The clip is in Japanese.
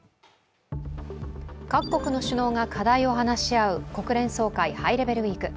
各国の首脳が課題を話し合う国連総会ハイレベルウィーク。